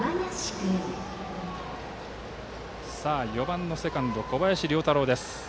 ４番のセカンド小林遼太郎です。